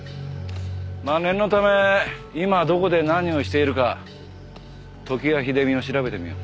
まあ念のため今どこで何をしているか常盤秀美を調べてみよう。